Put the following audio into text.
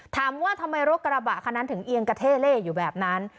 ถามว่าทำไมรถกระบะคันนั้นถึงเอียงกระเท่เล่อยู่แบบนั้น